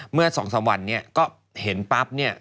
เมื่อ๒๓วันก็เห็นปั๊บ